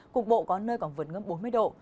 cục bộ có nơi còn vượt ngưỡng bốn mươi độ